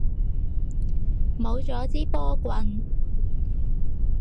冇咗支波棍